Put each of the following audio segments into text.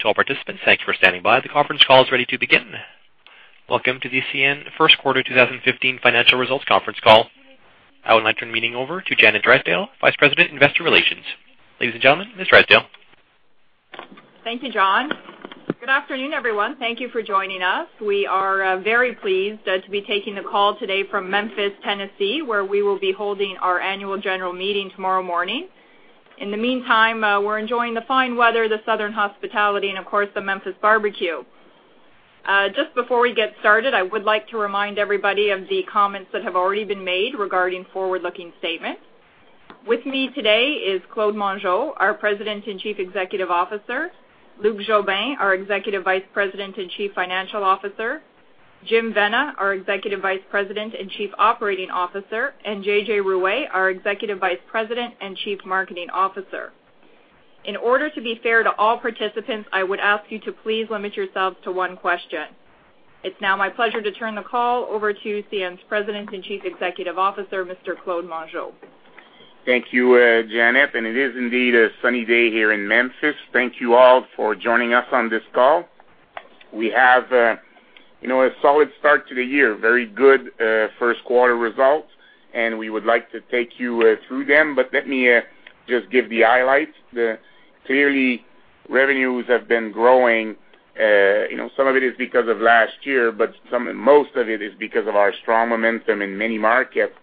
To all participants, thank you for standing by. The conference call is ready to begin. Welcome to the CN First Quarter 2015 Financial Results Conference Call. I would like to turn the meeting over to Janet Drysdale, Vice President, Investor Relations. Ladies and gentlemen, Ms. Drysdale. Thank you, John. Good afternoon, everyone. Thank you for joining us. We are very pleased to be taking the call today from Memphis, Tennessee, where we will be holding our annual general meeting tomorrow morning. In the meantime, we're enjoying the fine weather, the southern hospitality, and of course, the Memphis barbecue. Just before we get started, I would like to remind everybody of the comments that have already been made regarding forward-looking statements. With me today are Claude Mongeau, our President and Chief Executive Officer, Luc Jobin, our Executive Vice President and Chief Financial Officer, Jim Vena, our Executive Vice President and Chief Operating Officer, and J.J. Ruest, our Executive Vice President and Chief Marketing Officer. In order to be fair to all participants, I would ask you to please limit yourselves to one question. It's now my pleasure to turn the call over to CN's President and Chief Executive Officer, Mr. Claude Mongeau. Thank you, Janet, and it is indeed a sunny day here in Memphis. Thank you all for joining us on this call. We have a solid start to the year, very good first quarter results, and we would like to take you through them. But let me just give the highlights. Clearly, revenues have been growing. Some of it is because of last year, but most of it is because of our strong momentum in many markets.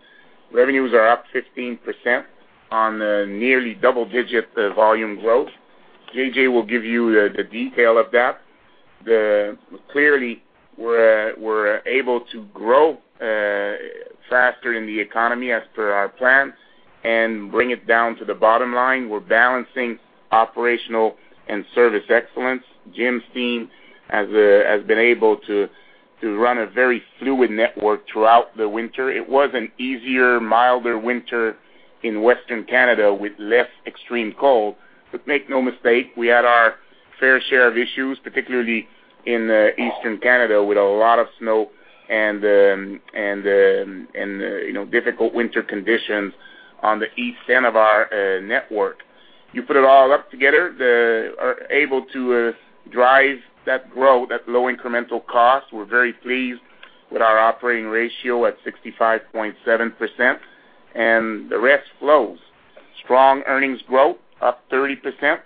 Revenues are up 15% on nearly double-digit volume growth. J.J. will give you the detail of that. Clearly, we're able to grow faster in the economy as per our plan and bring it down to the bottom line. We're balancing operational and service excellence. Jim's team has been able to run a very fluid network throughout the winter. It was an easier, milder winter in Western Canada with less extreme cold. But make no mistake, we had our fair share of issues, particularly in Eastern Canada with a lot of snow and difficult winter conditions on the east end of our network. You put it all up together, we're able to drive that growth at low incremental cost. We're very pleased with our operating ratio at 65.7%, and the rest flows. Strong earnings growth, up 30%,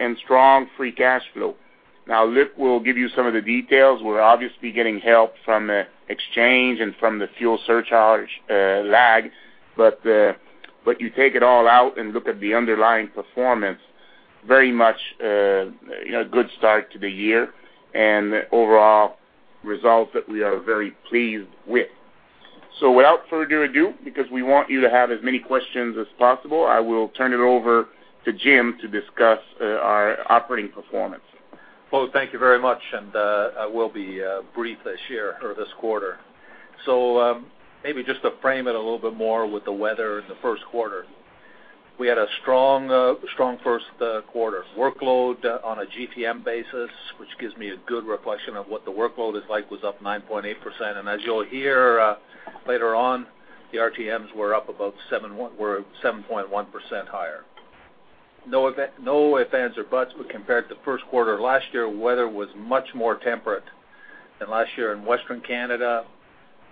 and strong free cash flow. Now, Luc will give you some of the details. We're obviously getting help from the exchange and from the fuel surcharge lag, but you take it all out and look at the underlying performance, very much a good start to the year and overall results that we are very pleased with. So without further ado, because we want you to have as many questions as possible, I will turn it over to Jim to discuss our operating performance. Claude, thank you very much, and I will be brief this year or this quarter. Maybe just to frame it a little bit more with the weather in the first quarter, we had a strong first quarter. Workload on a GTM basis, which gives me a good reflection of what the workload is like, was up 9.8%. As you'll hear later on, the RTMs were up about 7.1% higher. No ifs and buts, but compared to the first quarter last year, weather was much more temperate than last year in Western Canada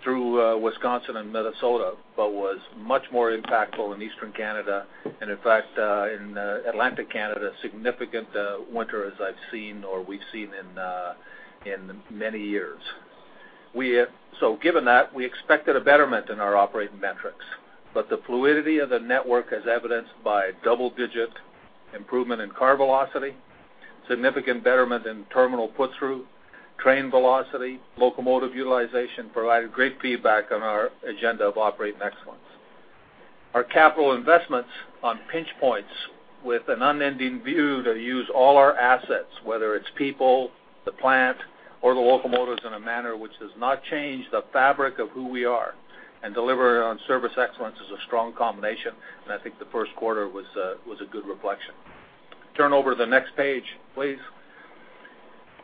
through Wisconsin and Minnesota, but was much more impactful in Eastern Canada and, in fact, in Atlantic Canada, significant winter as I've seen or we've seen in many years. So given that, we expected a betterment in our operating metrics, but the fluidity of the network, as evidenced by double-digit improvement in car velocity, significant betterment in terminal put-through, train velocity, locomotive utilization, provided great feedback on our agenda of operating excellence. Our capital investments on pinch points with an unending view to use all our assets, whether it's people, the plant, or the locomotives, in a manner which does not change the fabric of who we are and delivering on service excellence is a strong combination, and I think the first quarter was a good reflection. Turn over to the next page, please.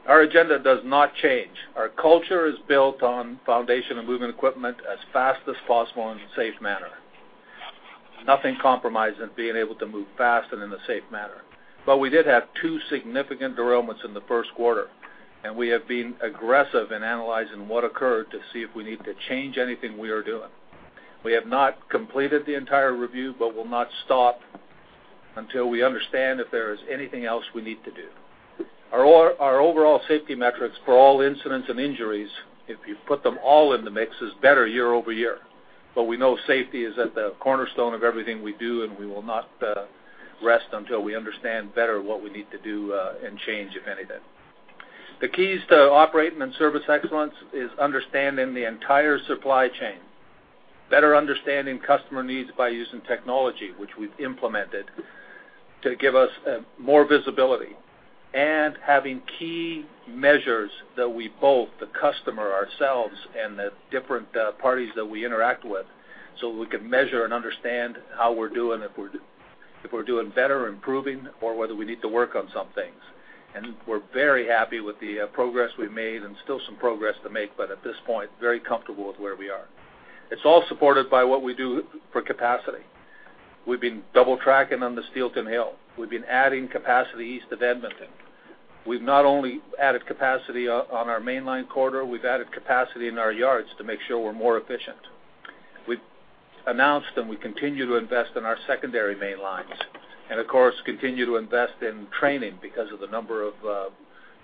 Our agenda does not change. Our culture is built on foundation of moving equipment as fast as possible in a safe manner. Nothing compromises being able to move fast and in a safe manner. But we did have two significant derailments in the first quarter, and we have been aggressive in analyzing what occurred to see if we need to change anything we are doing. We have not completed the entire review, but will not stop until we understand if there is anything else we need to do. Our overall safety metrics for all incidents and injuries, if you put them all in the mix, is better year-over-year. But we know safety is at the cornerstone of everything we do, and we will not rest until we understand better what we need to do and change, if anything. The keys to operating and service excellence are understanding the entire supply chain, better understanding customer needs by using technology, which we've implemented to give us more visibility, and having key measures that we both, the customer, ourselves, and the different parties that we interact with, so we can measure and understand how we're doing, if we're doing better, improving, or whether we need to work on some things. We're very happy with the progress we've made and still some progress to make, but at this point, very comfortable with where we are. It's all supported by what we do for capacity. We've been double-tracking on the Steelton Hill. We've been adding capacity east of Edmonton. We've not only added capacity on our mainline quarter, we've added capacity in our yards to make sure we're more efficient. We've announced and we continue to invest in our secondary mainlines and, of course, continue to invest in training because of the number of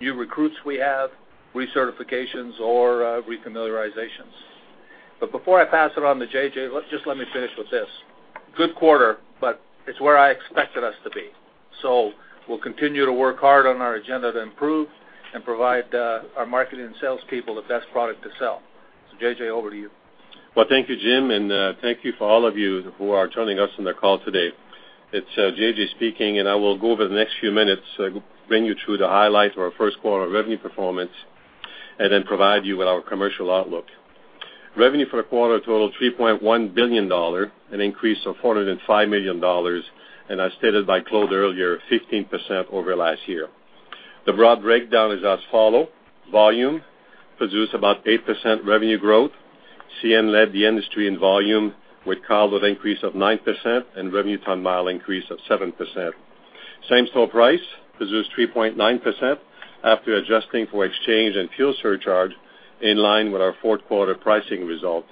new recruits we have, recertifications, or refamiliarizations. But before I pass it on to J.J., just let me finish with this. Good quarter, but it's where I expected us to be. We'll continue to work hard on our agenda to improve and provide our marketing and salespeople the best product to sell. J.J., over to you. Well, thank you, Jim, and thank you for all of you who are joining us on the call today. It's J.J. speaking, and I will go over the next few minutes, bring you through the highlight of our first quarter revenue performance, and then provide you with our commercial outlook. Revenue for the quarter totaled $3.1 billion, an increase of $405 million, and as stated by Claude earlier, 15% over last year. The broad breakdown is as follows: volume produced about 8% revenue growth. CN led the industry in volume with carload increase of 9% and revenue-ton mile increase of 7%. Same-store price produced 3.9% after adjusting for exchange and fuel surcharge in line with our fourth quarter pricing result.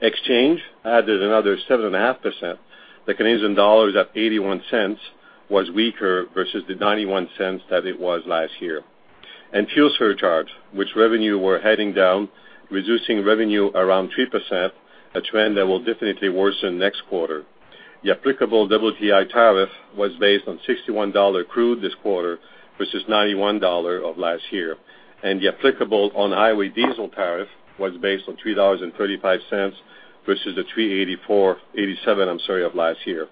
Exchange added another 7.5%. The Canadian dollar is at $0.81, was weaker versus the $0.91 that it was last year. Fuel surcharge, which revenue we're heading down, reducing revenue around 3%, a trend that will definitely worsen next quarter. The applicable WTI tariff was based on $61 crude this quarter versus $91 of last year. The applicable on-highway diesel tariff was based on $3.35 versus the $3.87 of last year.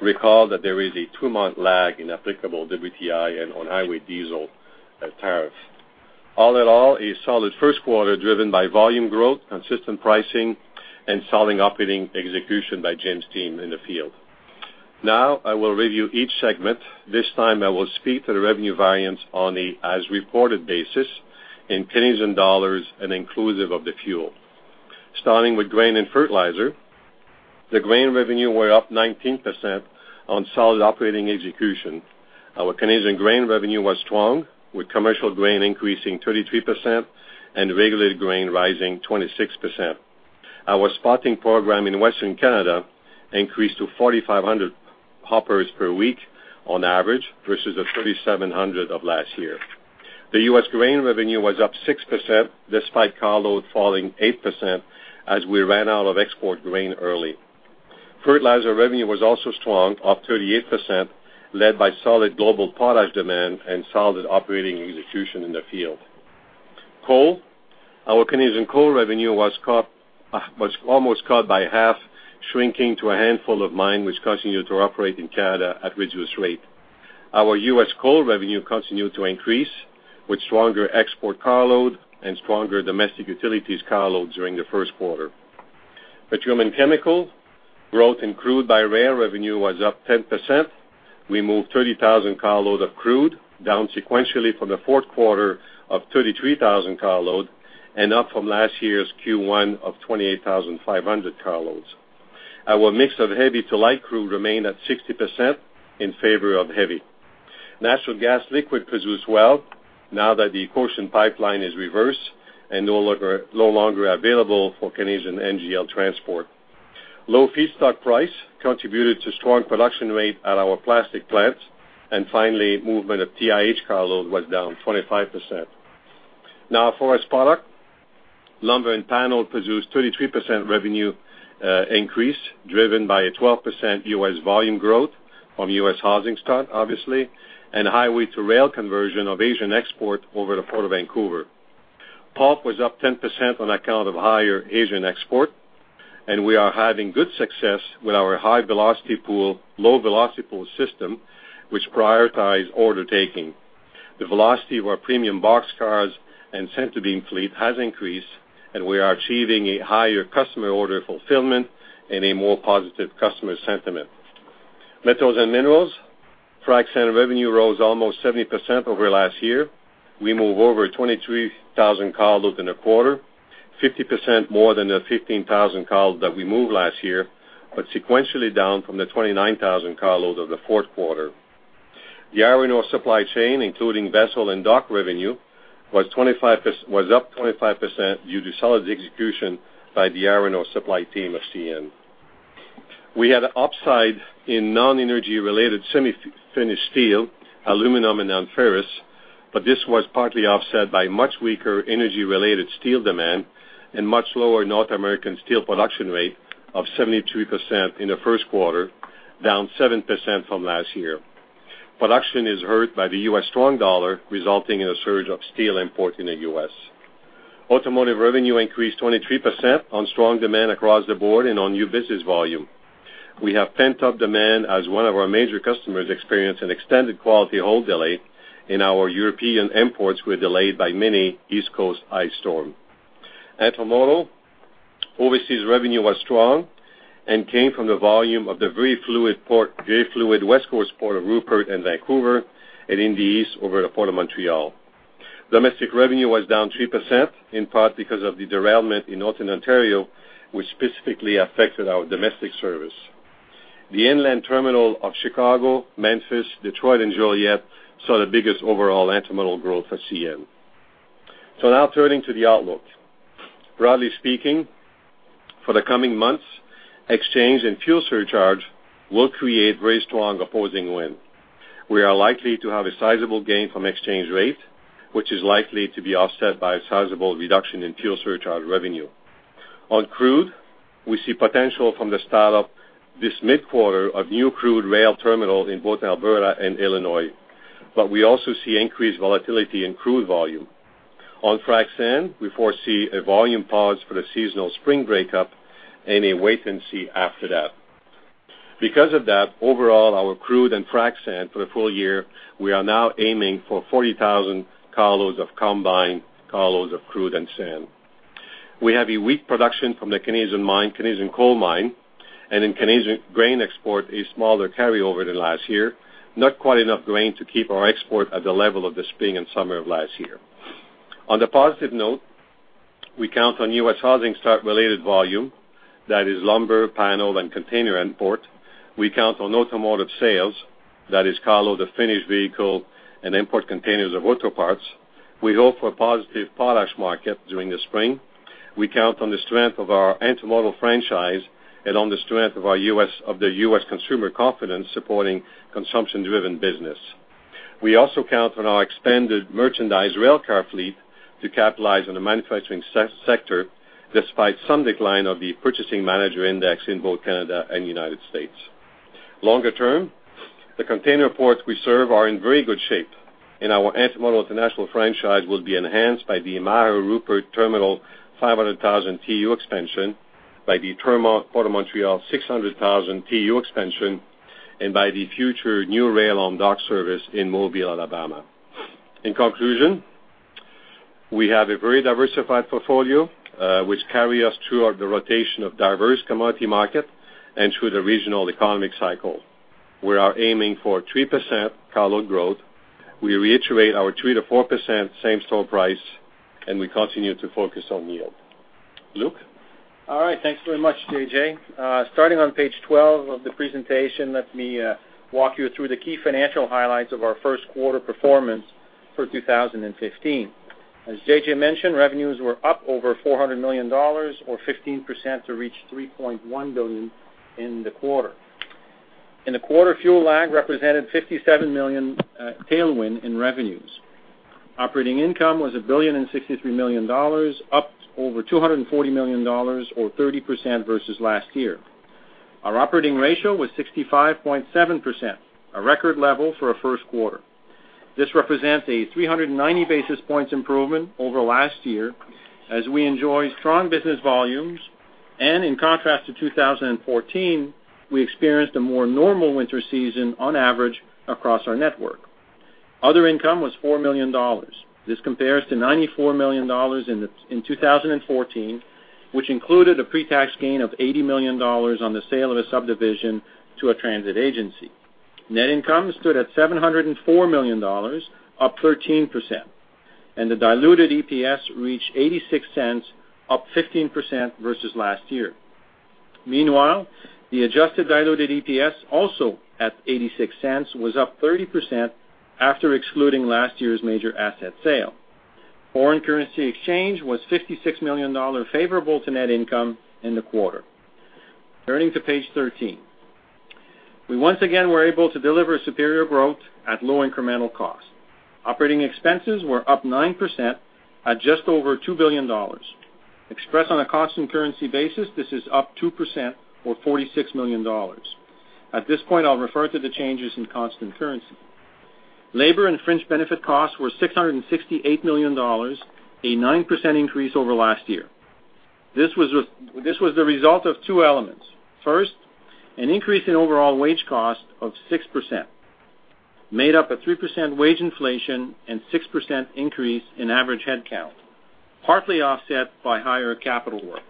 Recall that there is a two month lag in applicable WTI and on-highway diesel tariff. All in all, a solid first quarter driven by volume growth, consistent pricing, and solid operating execution by Jim's team in the field. Now, I will review each segment. This time, I will speak to the revenue variance on the as-reported basis in Canadian dollars and inclusive of the fuel. Starting with grain and fertilizer, the grain revenue were up 19% on solid operating execution. Our Canadian grain revenue was strong, with commercial grain increasing 33% and regulated grain rising 26%. Our spotting program in western Canada increased to 4,500 hoppers per week on average versus the 3,700 of last year. The US grain revenue was up 6% despite carloads falling 8% as we ran out of export grain early. Fertilizer revenue was also strong, up 38%, led by solid global potash demand and solid operating execution in the field. Coal, our Canadian coal revenue was almost cut by half, shrinking to a handful of mines, which continued to operate in Canada at reduced rates. Our US coal revenue continued to increase with stronger export carloads and stronger domestic utilities carloads during the first quarter. At Petroleum and Chemicals, growth in crude by rail revenue was up 10%. We moved 30,000 carloads of crude, down sequentially from the fourth quarter of 33,000 carloads and up from last year's Q1 of 28,500 carloads. Our mix of heavy to light crude remained at 60% in favor of heavy. Natural gas liquid produced well now that the Cochin Pipeline is reversed and no longer available for Canadian NGL transport. Low feedstock price contributed to strong production rate at our plastic plants, and finally, movement of TIH carload was down 25%. Now, for our softwood, lumber and panel produced 33% revenue increase driven by a 12% U.S. volume growth from U.S. housing starts, obviously, and highway-to-rail conversion of Asian export over the Port of Vancouver. Pulp was up 10% on account of higher Asian export, and we are having good success with our high-velocity pool, low-velocity pool system, which prioritizes order taking. The velocity of our premium boxcars and center beam fleet has increased, and we are achieving a higher customer order fulfillment and a more positive customer sentiment. Metals and minerals frac sand revenue rose almost 70% over last year. We moved over 23,000 carloads in the quarter, 50% more than the 15,000 carloads that we moved last year, but sequentially down from the 29,000 carloads of the fourth quarter. The Iron Ore supply chain, including vessel and dock revenue, was up 25% due to solid execution by the Iron Ore supply team of CN. We had an upside in non-energy-related semi-finished steel, aluminum, and non-ferrous, but this was partly offset by much weaker energy-related steel demand and much lower North American steel production rate of 73% in the first quarter, down 7% from last year. Production is hurt by the U.S. strong dollar, resulting in a surge of steel import in the U.S. Automotive revenue increased 23% on strong demand across the board and on new business volume. We have pent-up demand as one of our major customers experienced an extended quality hold delay, and our European imports were delayed by many East Coast ice storms. Automotive, overseas revenue was strong and came from the volume through the West Coast ports of Prince Rupert and Vancouver and in the east via the Port of Montreal. Domestic revenue was down 3%, in part because of the derailment in Gogama, Ontario, which specifically affected our domestic service. The inland terminals of Chicago, Memphis, Detroit, and Joliet saw the biggest overall intermodal growth for CN. Now turning to the outlook. Broadly speaking, for the coming months, exchange and fuel surcharge will create very strong opposing winds. We are likely to have a sizable gain from exchange rate, which is likely to be offset by a sizable reduction in fuel surcharge revenue. On crude, we see potential from the start of this mid-quarter of new crude rail terminals in both Alberta and Illinois, but we also see increased volatility in crude volume. On frac sand, we foresee a volume pause for the seasonal spring breakup and a wait-and-see after that. Because of that, overall, our crude and frac sand for the full year, we are now aiming for 40,000 carloads of combined carloads of crude and sand. We have weak production from the Canadian coal mines and in Canadian grain export, a smaller carryover than last year, not quite enough grain to keep our exports at the level of the spring and summer of last year. On a positive note, we count on US housing start-related volume, that is lumber, panels, and container imports. We count on automotive sales, that is carloads, the finished vehicle, and import containers of auto parts. We hope for a positive potash market during the spring. We count on the strength of our intermodal franchise and on the strength of the US consumer confidence supporting consumption-driven business. We also count on our expanded merchandise railcar fleet to capitalize on the manufacturing sector despite some decline of the purchasing manager index in both Canada and United States. Longer term, the container ports we serve are in very good shape, and our intermodal international franchise will be enhanced by the Maher Prince Rupert terminal 500,000 TEU expansion, by the Port of Montreal 600,000 TEU expansion, and by the future new rail-on-dock service in Mobile, Alabama. In conclusion, we have a very diversified portfolio, which carries us throughout the rotation of diverse commodity markets and through the regional economic cycle. We are aiming for 3% carload growth. We reiterate our 3%-4% same-store price, and we continue to focus on yield. Luc. All right. Thanks very much, J.J. Starting on page 12 of the presentation, let me walk you through the key financial highlights of our first quarter performance for 2015. As J.J. mentioned, revenues were up over $400 million, or 15% to reach $3.1 billion in the quarter. In the quarter, fuel lag represented $57 million tailwind in revenues. Operating income was $1.63 billion, up over $240 million, or 30% versus last year. Our operating ratio was 65.7%, a record level for a first quarter. This represents a 390 basis points improvement over last year as we enjoy strong business volumes, and in contrast to 2014, we experienced a more normal winter season on average across our network. Other income was $4 million. This compares to $94 million in 2014, which included a pre-tax gain of $80 million on the sale of a subdivision to a transit agency. Net income stood at $704 million, up 13%, and the diluted EPS reached 86 cents, up 15% versus last year. Meanwhile, the adjusted diluted EPS, also at 86 cents, was up 30% after excluding last year's major asset sale. Foreign currency exchange was $56 million favorable to net income in the quarter. Turning to page 13, we once again were able to deliver superior growth at low incremental cost. Operating expenses were up 9% at just over $2 billion. Expressed on a cost and currency basis, this is up 2%, or $46 million. At this point, I'll refer to the changes in cost and currency. Labor and fringe benefit costs were $668 million, a 9% increase over last year. This was the result of two elements. First, an increase in overall wage cost of 6% made up a 3% wage inflation and 6% increase in average headcount, partly offset by higher capital work.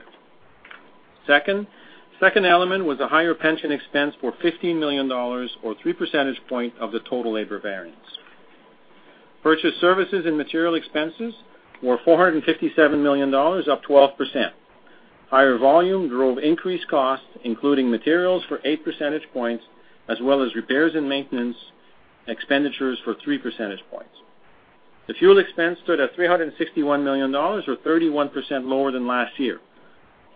Second, the second element was a higher pension expense for $15 million, or 3% points of the total labor variance. Purchase services and material expenses were $457 million, up 12%. Higher volume drove increased costs, including materials for 8% points, as well as repairs and maintenance expenditures for 3% points. The fuel expense stood at $361 million, or 31% lower than last year.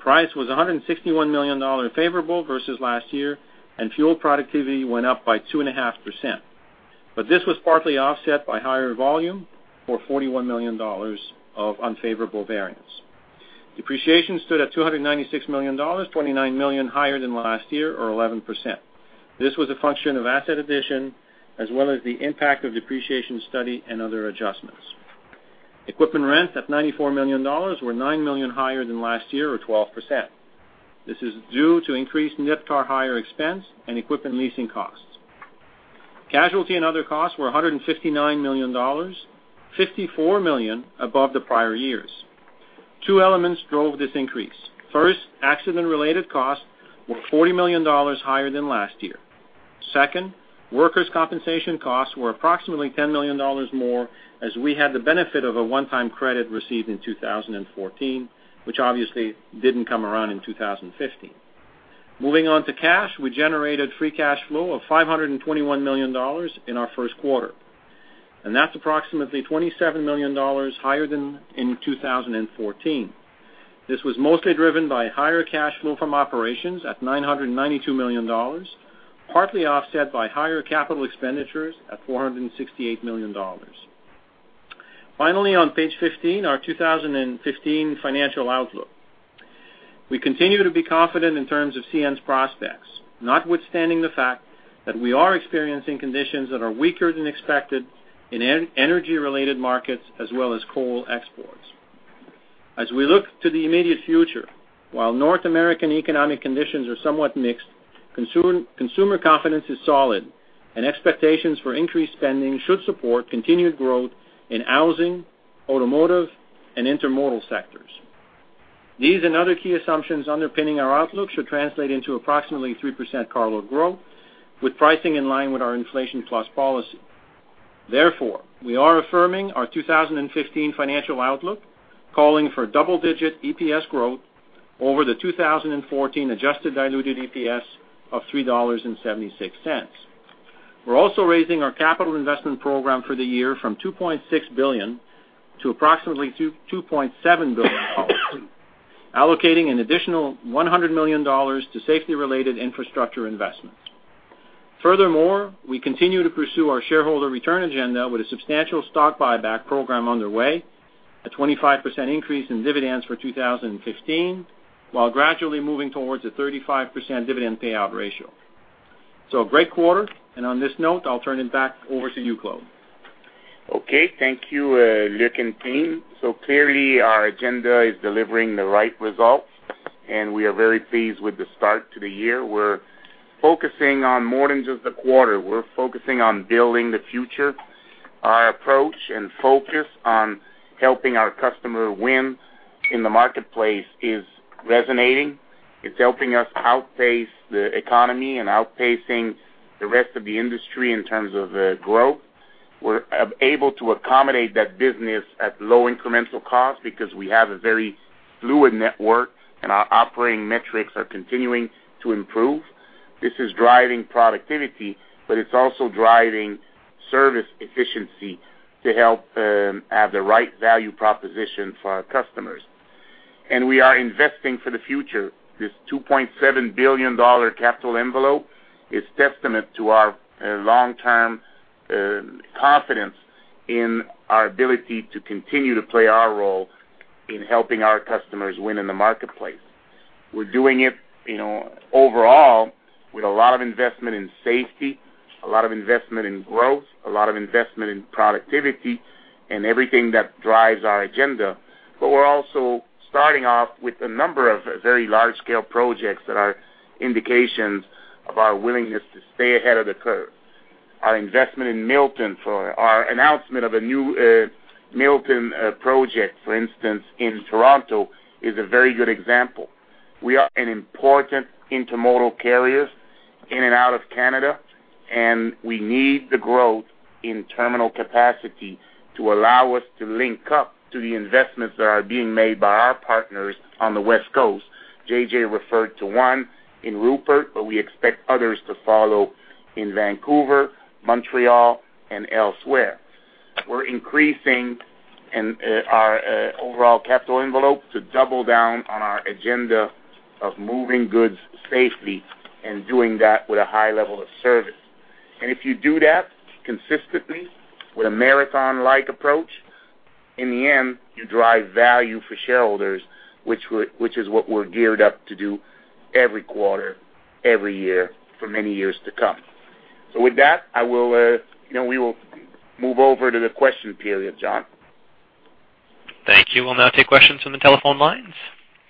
Price was $161 million favorable versus last year, and fuel productivity went up by 2.5%. But this was partly offset by higher volume for $41 million of unfavorable variance. Depreciation stood at $296 million, $29 million higher than last year, or 11%. This was a function of asset addition as well as the impact of depreciation study and other adjustments. Equipment rents at $94 million were $9 million higher than last year, or 12%. This is due to increased net car hire higher expense and equipment leasing costs. Casualty and other costs were $159 million, $54 million above the prior years. Two elements drove this increase. First, accident-related costs were $40 million higher than last year. Second, workers' compensation costs were approximately $10 million more as we had the benefit of a one-time credit received in 2014, which obviously didn't come around in 2015. Moving on to cash, we generated free cash flow of $521 million in our first quarter, and that's approximately $27 million higher than in 2014. This was mostly driven by higher cash flow from operations at $992 million, partly offset by higher capital expenditures at $468 million. Finally, on page 15, our 2015 financial outlook. We continue to be confident in terms of CN's prospects, notwithstanding the fact that we are experiencing conditions that are weaker than expected in energy-related markets as well as coal exports. As we look to the immediate future, while North American economic conditions are somewhat mixed, consumer confidence is solid, and expectations for increased spending should support continued growth in housing, automotive, and intermodal sectors. These and other key assumptions underpinning our outlook should translate into approximately 3% carload growth, with pricing in line with our inflation plus policy. Therefore, we are affirming our 2015 financial outlook, calling for double-digit EPS growth over the 2014 adjusted diluted EPS of $3.76. We're also raising our capital investment program for the year from $2.6 billion to approximately $2.7 billion, allocating an additional $100 million to safety-related infrastructure investments. Furthermore, we continue to pursue our shareholder return agenda with a substantial stock buyback program underway, a 25% increase in dividends for 2015, while gradually moving towards a 35% dividend payout ratio. So a great quarter, and on this note, I'll turn it back over to you, Claude. Okay. Thank you, Luke and team. So clearly, our agenda is delivering the right results, and we are very pleased with the start to the year. We're focusing on more than just the quarter. We're focusing on building the future. Our approach and focus on helping our customer win in the marketplace is resonating. It's helping us outpace the economy and outpacing the rest of the industry in terms of growth. We're able to accommodate that business at low incremental cost because we have a very fluid network, and our operating metrics are continuing to improve. This is driving productivity, but it's also driving service efficiency to help have the right value proposition for our customers. And we are investing for the future. This $2.7 billion capital envelope is a testament to our long-term confidence in our ability to continue to play our role in helping our customers win in the marketplace. We're doing it overall with a lot of investment in safety, a lot of investment in growth, a lot of investment in productivity, and everything that drives our agenda. But we're also starting off with a number of very large-scale projects that are indications of our willingness to stay ahead of the curve. Our investment in Milton for our announcement of a new Milton project, for instance, in Toronto, is a very good example. We are an important intermodal carrier in and out of Canada, and we need the growth in terminal capacity to allow us to link up to the investments that are being made by our partners on the West Coast. J.J. referred to one in Rupert, but we expect others to follow in Vancouver, Montreal, and elsewhere. We're increasing our overall capital envelope to double down on our agenda of moving goods safely and doing that with a high level of service. If you do that consistently with a marathon-like approach, in the end, you drive value for shareholders, which is what we're geared up to do every quarter, every year, for many years to come. With that, we will move over to the question period, John. Thank you. We'll now take questions from the telephone lines.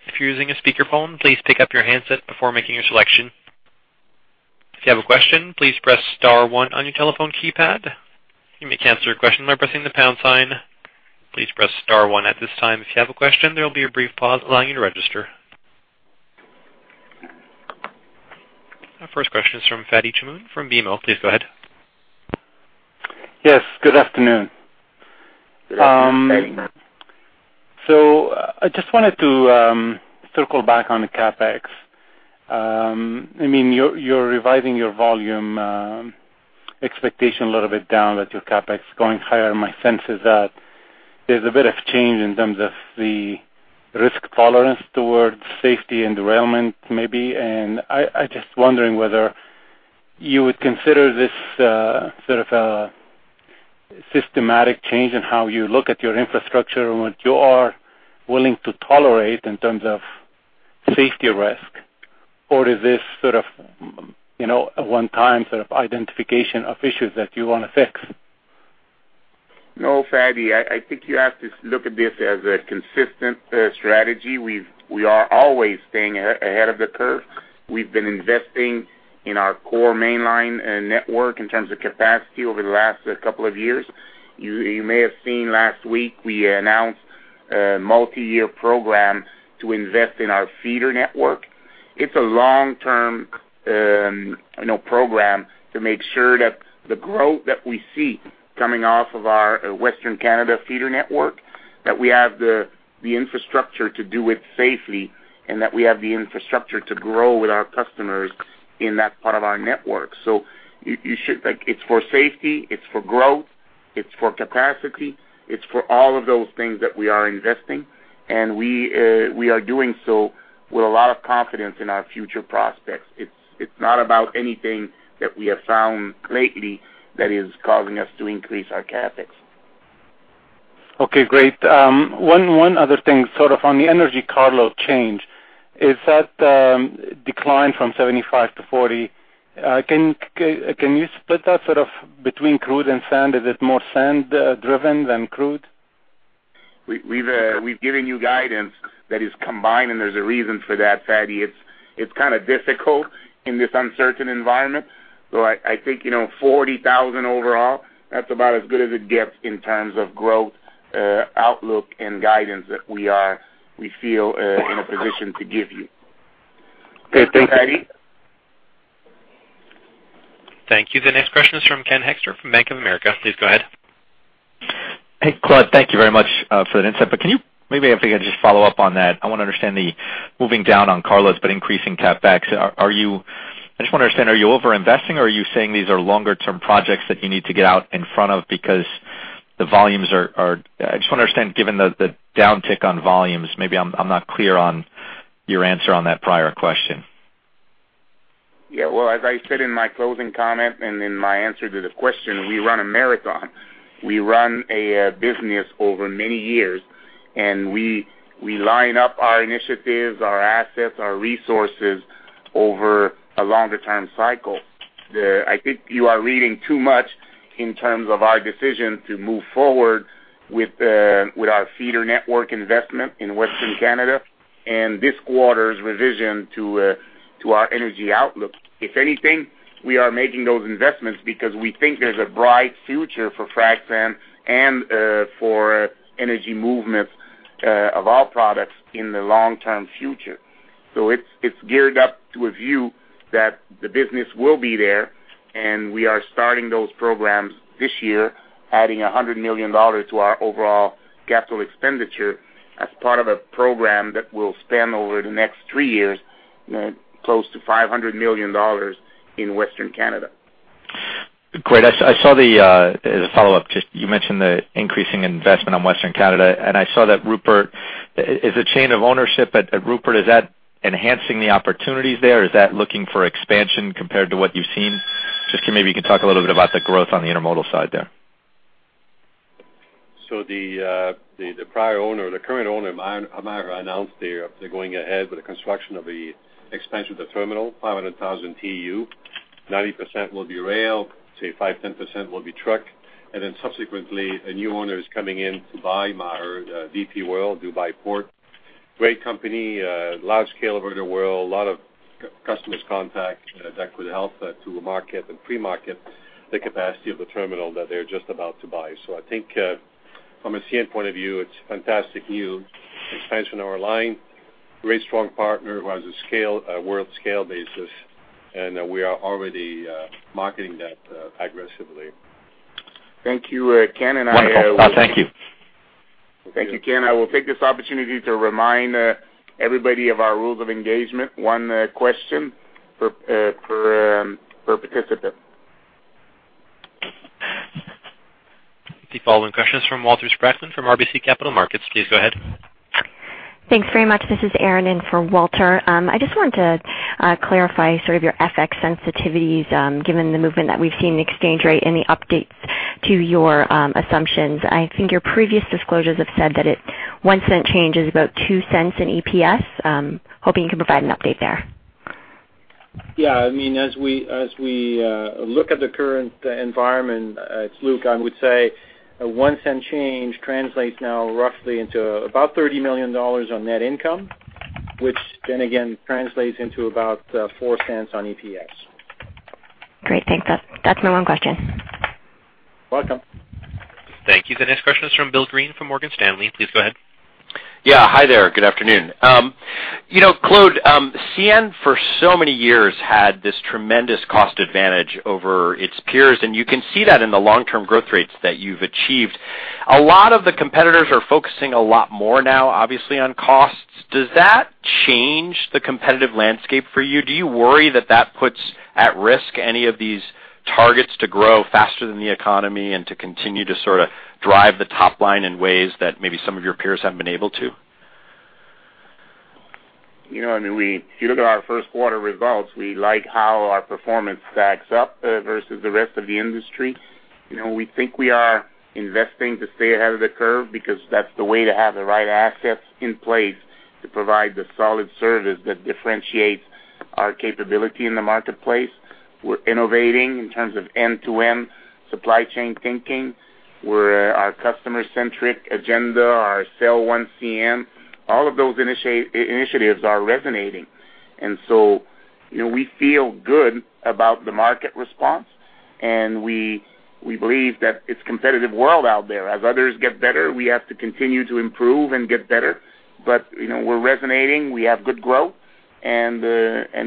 If you're using a speakerphone, please pick up your handset before making your selection. If you have a question, please press star one on your telephone keypad. You may cancel your question by pressing the pound sign. Please press star one at this time. If you have a question, there will be a brief pause allowing you to register. Our first question is from Fadi Chamoun from BMO. Please go ahead. Yes. Good afternoon. Good afternoon, Fadi. So I just wanted to circle back on the CapEx. I mean, you're revising your volume expectation a little bit down that your CapEx is going higher. My sense is that there's a bit of change in terms of the risk tolerance towards safety and derailment, maybe. And I'm just wondering whether you would consider this sort of a systematic change in how you look at your infrastructure and what you are willing to tolerate in terms of safety risk, or is this sort of a one-time sort of identification of issues that you want to fix? No, Fadi. I think you have to look at this as a consistent strategy. We are always staying ahead of the curve. We've been investing in our core mainline network in terms of capacity over the last couple of years. You may have seen last week we announced a multi-year program to invest in our feeder network. It's a long-term program to make sure that the growth that we see coming off of our Western Canada feeder network, that we have the infrastructure to do it safely, and that we have the infrastructure to grow with our customers in that part of our network. So it's for safety. It's for growth. It's for capacity. It's for all of those things that we are investing, and we are doing so with a lot of confidence in our future prospects. It's not about anything that we have found lately that is causing us to increase our CapEx. Okay. Great. One other thing sort of on the energy carload change. Is that decline from 75 to 40? Can you split that sort of between crude and sand? Is it more sand-driven than crude? We've given you guidance. That is combined, and there's a reason for that, Fadi. It's kind of difficult in this uncertain environment. So I think 40,000 overall, that's about as good as it gets in terms of growth outlook and guidance that we feel in a position to give you. Okay. Thank you. Thank you. The next question is from Ken Hoexter from Bank of America. Please go ahead. Hey, Claude. Thank you very much for that insight. But can you maybe, I think I just follow up on that. I want to understand the moving down on carloads but increasing CapEx. I just want to understand, are you over-investing, or are you saying these are longer-term projects that you need to get out in front of because the volumes are—I just want to understand, given the downtick on volumes, maybe I'm not clear on your answer on that prior question. Yeah. Well, as I said in my closing comment and in my answer to the question, we run a marathon. We run a business over many years, and we line up our initiatives, our assets, our resources over a longer-term cycle. I think you are reading too much in terms of our decision to move forward with our feeder network investment in Western Canada and this quarter's revision to our energy outlook. If anything, we are making those investments because we think there's a bright future for frac sand and for energy movements of our products in the long-term future. So it's geared up to a view that the business will be there, and we are starting those programs this year, adding $100 million to our overall capital expenditure as part of a program that will span over the next three years, close to $500 million in Western Canada. Great. As a follow-up, you mentioned the increasing investment on Western Canada, and I saw that Prince Rupert is changing ownership at Prince Rupert. Is that enhancing the opportunities there, or is that looking for expansion compared to what you've seen? Just maybe you can talk a little bit about the growth on the intermodal side there. So the prior owner or the current owner, Maher, announced they're going ahead with the construction of an expansion of the terminal, 500,000 TEU. 90% will be rail. Say 5%-10% will be truck. And then subsequently, a new owner is coming in Dubai, Maher, the DP World, Dubai Port. Great company, large-scale over the world, a lot of customers' contact that could help to market and pre-market the capacity of the terminal that they're just about to buy. So I think from a CN point of view, it's fantastic new expansion of our line. Very strong partner who has a world scale basis, and we are already marketing that aggressively. Thank you, Ken. Next Thank you. Thank you, Ken. I will take this opportunity to remind everybody of our rules of engagement. One question per participant. The following question is from Walter Spracklin from RBC Capital Markets. Please go ahead. Thanks very much. This is Erin in for Walter. I just wanted to clarify sort of your FX sensitivities given the movement that we've seen in exchange rate and the updates to your assumptions. I think your previous disclosures have said that 1 cent change is about 2 cents in EPS. Hoping you can provide an update there. Yeah. I mean, as we look at the current environment, it's Luc, I would say 1 cent change translates now roughly into about $30 million on net income, which then again translates into about 4 cents on EPS. Great. Thanks. That's my one question. Welcome. Thank you. The next question is from Bill Greene from Morgan Stanley. Please go ahead. Yeah. Hi there. Good afternoon. Claude, CN for so many years had this tremendous cost advantage over its peers, and you can see that in the long-term growth rates that you've achieved. A lot of the competitors are focusing a lot more now, obviously, on costs. Does that change the competitive landscape for you? Do you worry that that puts at risk any of these targets to grow faster than the economy and to continue to sort of drive the top line in ways that maybe some of your peers haven't been able to? I mean, if you look at our first quarter results, we like how our performance stacks up versus the rest of the industry. We think we are investing to stay ahead of the curve because that's the way to have the right assets in place to provide the solid service that differentiates our capability in the marketplace. We're innovating in terms of end-to-end supply chain thinking. Our customer-centric agenda, our sale-once CN, all of those initiatives are resonating. And so we feel good about the market response, and we believe that it's a competitive world out there. As others get better, we have to continue to improve and get better. But we're resonating. We have good growth, and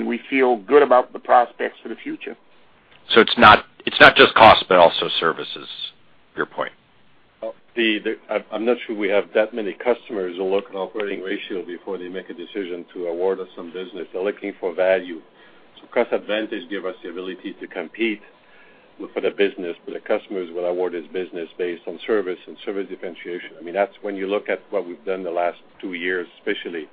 we feel good about the prospects for the future. It's not just cost, but also services. your point. I'm not sure we have that many customers who look at our operating ratio before they make a decision to award us some business. They're looking for value. So cost advantage gives us the ability to compete for the business, but the customers will award us business based on service and service differentiation. I mean, that's when you look at what we've done the last two years, especially.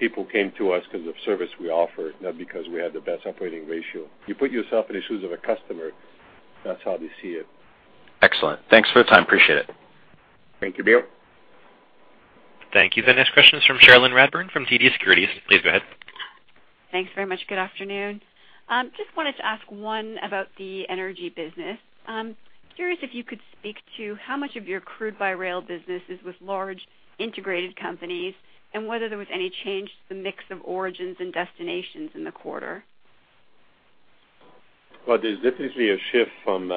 People came to us because of the service we offer, not because we had the best operating ratio. You put yourself in the shoes of a customer. That's how they see it. Excellent. Thanks for your time. Appreciate it. Thank you, Bill. Thank you. The next question is from Cherilyn Radbourne from TD Securities. Please go ahead. Thanks very much. Good afternoon. Just wanted to ask one about the energy business. Curious if you could speak to how much of your crude by rail business is with large integrated companies and whether there was any change to the mix of origins and destinations in the quarter? Well, there's definitely a shift from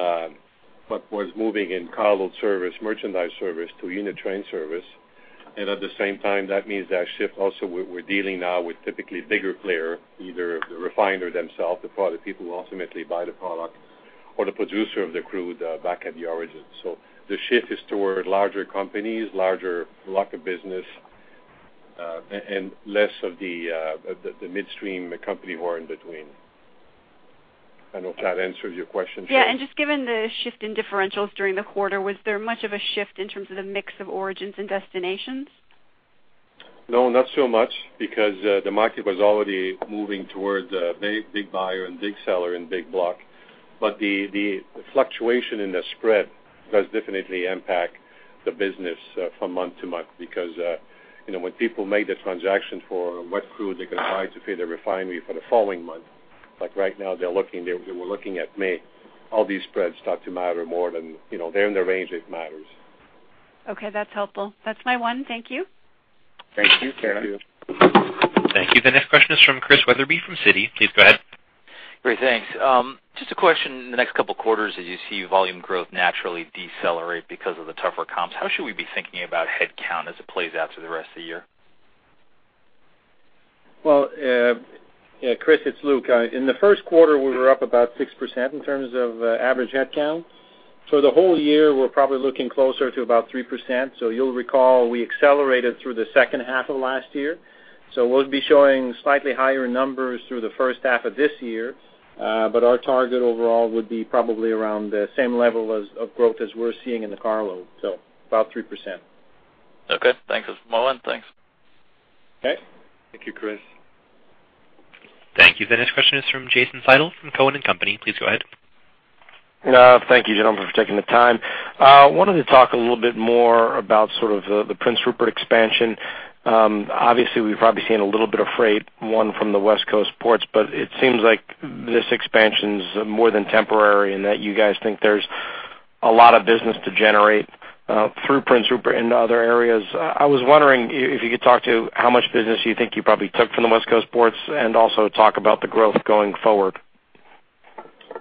what was moving in carload service, merchandise service, to unit train service. At the same time, that means that shift also we're dealing now with typically bigger players, either the refiner themselves, the product people who ultimately buy the product, or the producer of the crude back at the origin. The shift is toward larger companies, larger block of business, and less of the midstream company who are in between. I don't know if that answers your question. Yeah. Just given the shift in differentials during the quarter, was there much of a shift in terms of the mix of origins and destinations? No, not so much because the market was already moving toward big buyer and big seller and big block. But the fluctuation in the spread does definitely impact the business from month to month because when people make the transaction for what crude they're going to buy to feed the refinery for the following month, like right now they're looking at May, all these spreads start to matter more than they're in the range it matters. Okay. That's helpful. That's my one. Thank you. Thank you. Thank you. The next question is from Chris Weatherby from Citi. Please go ahead. Great. Thanks. Just a question. In the next couple of quarters, did you see volume growth naturally decelerate because of the tougher comps? How should we be thinking about headcount as it plays out through the rest of the year? Well, Chris, it's Luc. In the first quarter, we were up about 6% in terms of average headcount. For the whole year, we're probably looking closer to about 3%. So you'll recall we accelerated through the second half of last year. So we'll be showing slightly higher numbers through the first half of this year, but our target overall would be probably around the same level of growth as we're seeing in the carload. So about 3%. Okay. Thanks, Mohammed. Thanks. Okay. Thank you, Chris. Thank you. The next question is from Jason Seidel from Cowen & Company. Please go ahead. Thank you, gentlemen, for taking the time. I wanted to talk a little bit more about sort of the Prince Rupert expansion. Obviously, we've probably seen a little bit of freight won from the West Coast ports, but it seems like this expansion's more than temporary and that you guys think there's a lot of business to generate through Prince Rupert into other areas. I was wondering if you could talk to how much business you think you probably took from the West Coast ports and also talk about the growth going forward.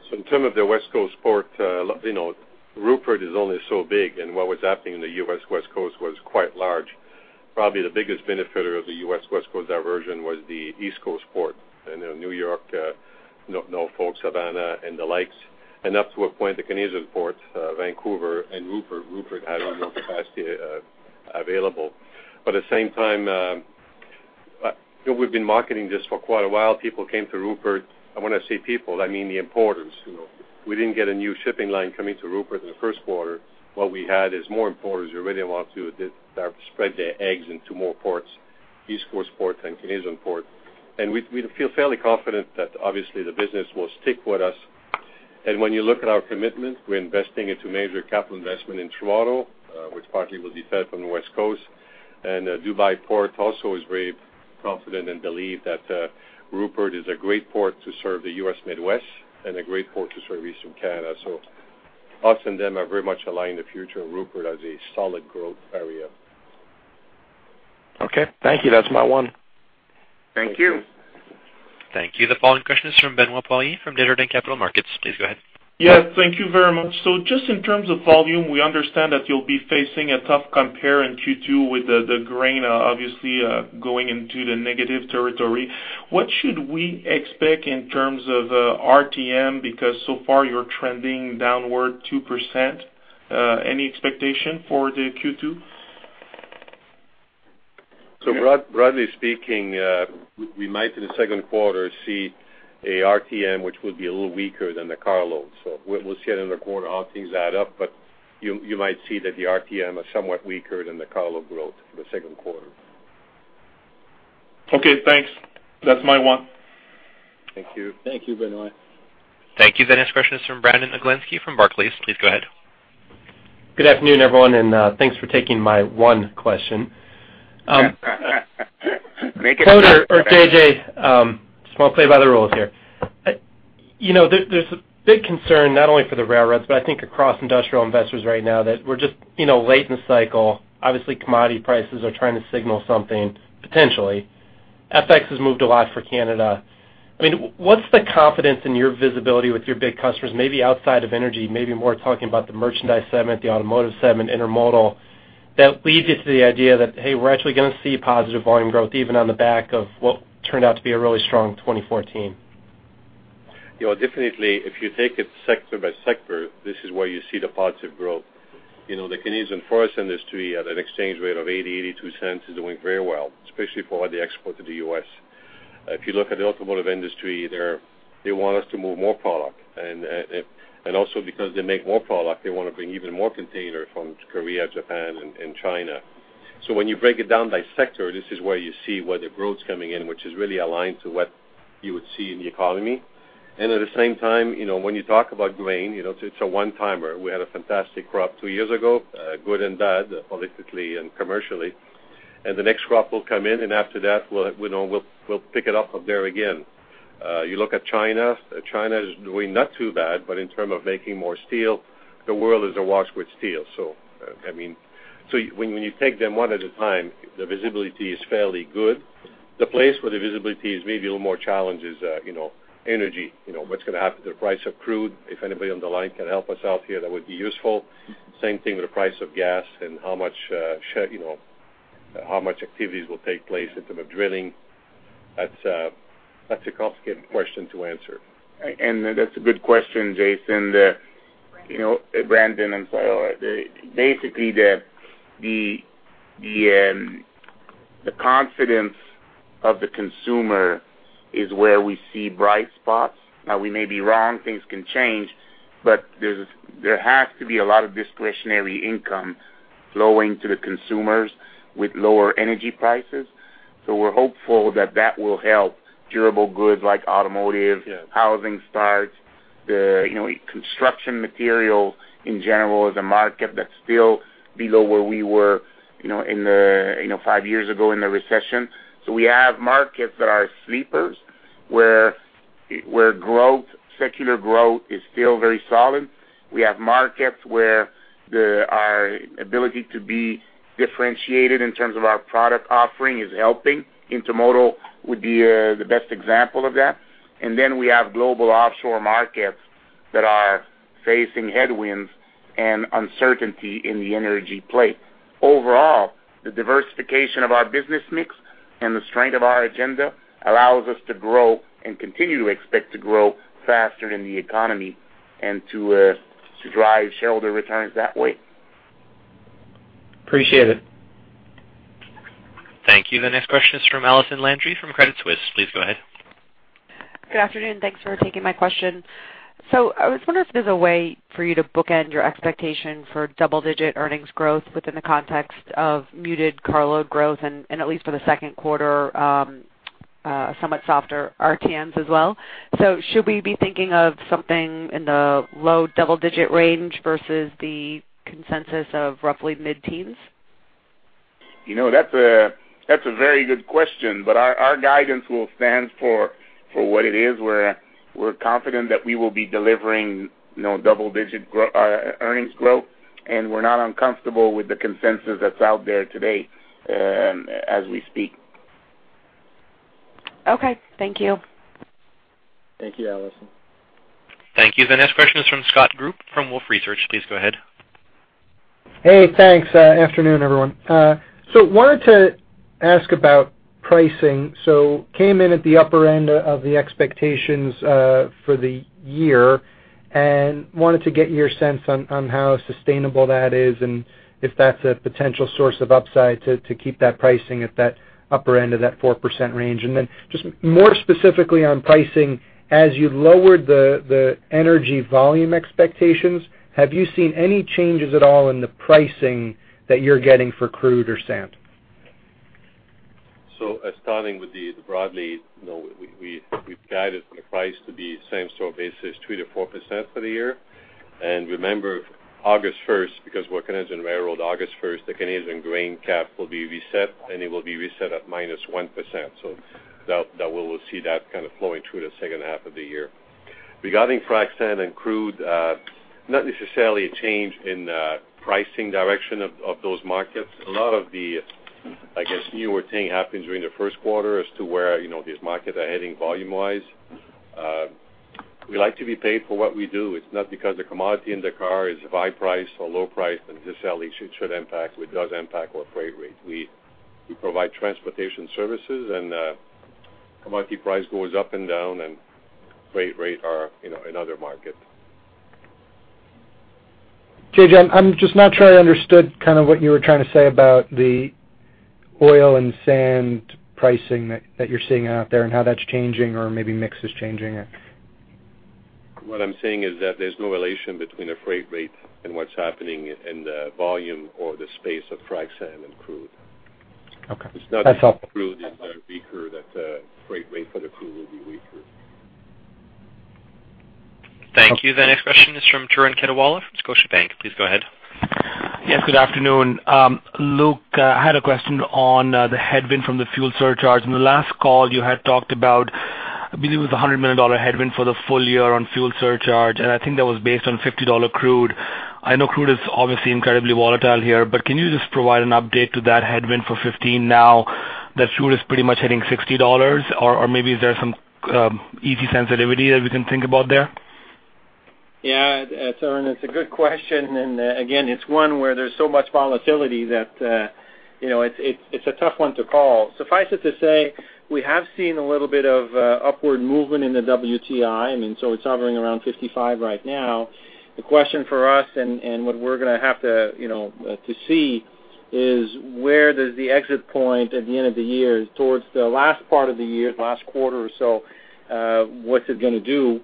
So in terms of the West Coast port, Rupert is only so big, and what was happening in the US West Coast was quite large. Probably the biggest benefit of the US West Coast diversion was the East Coast port, New York, Norfolk, Savannah, and the like. Up to a point, the Canadian port, Vancouver, and Rupert had a little capacity available. But at the same time, we've been marketing this for quite a while. People came to Rupert. I want to say people, I mean the importers. We didn't get a new shipping line coming to Rupert in the first quarter. What we had is more importers who really want to spread their eggs into more ports, East Coast port and Canadian port. We feel fairly confident that obviously the business will stick with us. When you look at our commitment, we're investing into major capital investment in Toronto, which partly will be fed from the West Coast. DP World also is very confident and believes that Rupert is a great port to serve the U.S. Midwest and a great port to serve Eastern Canada. Us and them are very much aligned in the future of Rupert as a solid growth area. Okay. Thank you. That's my one. Thank you. Thank you. The following question is from Benoit Poirier from Desjardins Capital Markets. Please go ahead. Yeah. Thank you very much. So just in terms of volume, we understand that you'll be facing a tough compare in Q2 with the grain obviously going into the negative territory. What should we expect in terms of RTM because so far you're trending downward 2%? Any expectation for the Q2? So broadly speaking, we might in the second quarter see an RTM which will be a little weaker than the carload. So we'll see it in the quarter how things add up, but you might see that the RTM is somewhat weaker than the carload growth for the second quarter. Okay. Thanks. That's my one. Thank you. Thank you, Benoit. Thank you. The next question is from Brandon Oglensky from Barclays. Please go ahead. Good afternoon, everyone, and thanks for taking my one question. Claude or JJ, small play by the rules here. There's a big concern not only for the railroads, but I think across industrial investors right now that we're just late in the cycle. Obviously, commodity prices are trying to signal something potentially. FX has moved a lot for Canada. I mean, what's the confidence in your visibility with your big customers, maybe outside of energy, maybe more talking about the merchandise segment, the automotive segment, intermodal, that leads you to the idea that, hey, we're actually going to see positive volume growth even on the back of what turned out to be a really strong 2014? Definitely, if you take it sector by sector, this is where you see the positive growth. The Canadian forest industry at an exchange rate of $0.80-$0.82 is doing very well, especially for the export to the U.S. If you look at the automotive industry, they want us to move more product. And also because they make more product, they want to bring even more containers from Korea, Japan, and China. So when you break it down by sector, this is where you see where the growth's coming in, which is really aligned to what you would see in the economy. And at the same time, when you talk about grain, it's a one-timer. We had a fantastic crop two years ago, good and bad, politically and commercially. And the next crop will come in, and after that, we'll pick it up from there again. You look at China. China is doing not too bad, but in terms of making more steel, the world is at war with steel. So I mean, when you take them one at a time, the visibility is fairly good. The place where the visibility is maybe a little more challenge is energy. What's going to happen to the price of crude? If anybody on the line can help us out here, that would be useful. Same thing with the price of gas and how much activities will take place in terms of drilling. That's a complicated question to answer. And that's a good question, Jason. Brandon and so, basically the confidence of the consumer is where we see bright spots. Now, we may be wrong. Things can change, but there has to be a lot of discretionary income flowing to the consumers with lower energy prices. So we're hopeful that that will help durable goods like automotive, housing starts, the construction material in general as a market that's still below where we were in five years ago in the recession. So we have markets that are sleepers where secular growth is still very solid. We have markets where our ability to be differentiated in terms of our product offering is helping. Intermodal would be the best example of that. And then we have global offshore markets that are facing headwinds and uncertainty in the energy sector. Overall, the diversification of our business mix and the strength of our franchise allows us to grow and continue to expect to grow faster in the economy and to drive shareholder returns that way. Appreciate it. Thank you. The next question is from Allison Landry from Credit Suisse. Please go ahead. Good afternoon. Thanks for taking my question. So I was wondering if there's a way for you to bookend your expectation for double-digit earnings growth within the context of muted carload growth and at least for the second quarter, somewhat softer RTMs as well. So should we be thinking of something in the low double-digit range versus the consensus of roughly mid-teens? That's a very good question, but our guidance will stand for what it is where we're confident that we will be delivering double-digit earnings growth, and we're not uncomfortable with the consensus that's out there today as we speak. Okay. Thank you. Thank you, Alison. Thank you. The next question is from Scott Group from Wolfe Research. Please go ahead. Hey, thanks. Afternoon, everyone. So wanted to ask about pricing. So came in at the upper end of the expectations for the year and wanted to get your sense on how sustainable that is and if that's a potential source of upside to keep that pricing at that upper end of that 4% range. And then just more specifically on pricing, as you lowered the energy volume expectations, have you seen any changes at all in the pricing that you're getting for crude or sand? So, starting broadly, we've guided the price to be same store basis, 2%-4% for the year. And remember, August 1st, because we're Canadian railroad, August 1st, the Canadian grain cap will be reset, and it will be reset at -1%. So we will see that kind of flowing through the second half of the year. Regarding frac sand and crude, not necessarily a change in pricing direction of those markets. A lot of the, I guess, newer thing happened during the first quarter as to where these markets are heading volume-wise. We like to be paid for what we do. It's not because the commodity in the car is a high price or low price that this sale should impact, which does impact our freight rate. We provide transportation services, and commodity price goes up and down, and freight rate are in other markets. JJ, I'm just not sure I understood kind of what you were trying to say about the oil and sand pricing that you're seeing out there and how that's changing or maybe mix is changing. What I'm saying is that there's no relation between the freight rate and what's happening in the volume or the space of frac sand and crude. It's not that the crude is weaker, that freight rate for the crude will be weaker. Thank you. The next question is from Turan Quettawala from Scotiabank. Please go ahead. Yes. Good afternoon. Luc, I had a question on the headwind from the fuel surcharge. In the last call, you had talked about, I believe it was a $100 million headwind for the full year on fuel surcharge, and I think that was based on $50 crude. I know crude is obviously incredibly volatile here, but can you just provide an update to that headwind for $15 now that fuel is pretty much hitting $60? Or maybe is there some easy sensitivity that we can think about there? Yeah. Turan, it's a good question. And again, it's one where there's so much volatility that it's a tough one to call. Suffice it to say, we have seen a little bit of upward movement in the WTI. I mean, so it's hovering around 55 right now. The question for us and what we're going to have to see is where does the exit point at the end of the year towards the last part of the year, the last quarter or so, what's it going to do?